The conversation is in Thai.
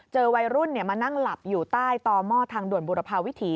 วัยรุ่นมานั่งหลับอยู่ใต้ต่อหม้อทางด่วนบุรพาวิถี